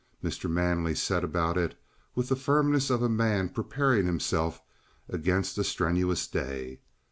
Mr. Manley set about it with the firmness of a man preparing himself against a strenuous day.